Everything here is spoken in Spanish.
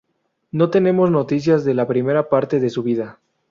No tenemos noticias de la primera parte de su vida.